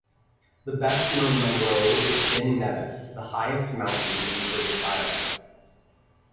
The best known Munro is Ben Nevis, the highest mountain in the British Isles.